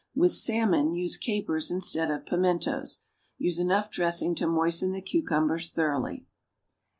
With salmon use capers instead of pimentos. Use enough dressing to moisten the cucumbers thoroughly.